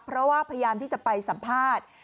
เพราะว่าพยายามที่จะไปสัมภาษณ์